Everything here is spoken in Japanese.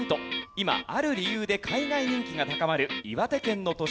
今ある理由で海外人気が高まる岩手県の都市です。